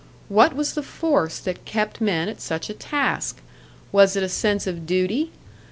What was the force that kept men at such a task? Was it a sense of duty?